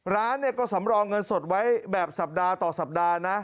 ร้านเนี่ยก็สำรองเงินสดไว้แบบสัปดาห์ต่อสัปดาห์นะ